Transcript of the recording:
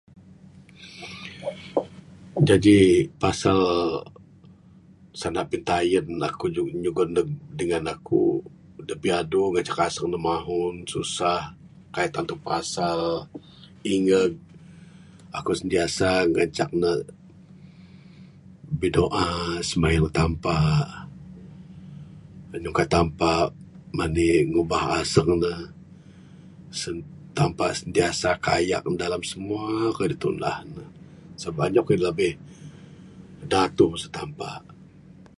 Jaji pasal sanda pitayen aku jugon neg bala dingan aku da biadu ngancak aseng mahun susah kaik tantu pasal. Ingeg, aku sentiasa ngancak ne bidoa simayang neg Tampa. Ra nyungka Tampa mani ngubah aseng ne Sen Tampa sentiasa kayak ne dalam semua kayuh da tunah ne. Sebab anyap kayuh labih da datuh masu Tampa.